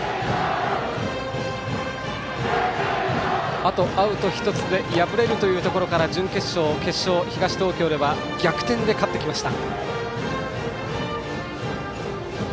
あとアウト１つで敗れるというところから準決勝、決勝東東京では逆転で勝ってきました。